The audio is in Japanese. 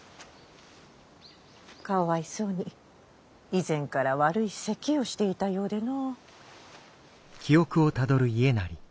かわいそうに以前から悪いせきをしていたようでの。